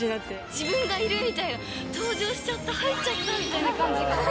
自分がいるみたいな、登場しちゃった、入っちゃったみたいな感じが。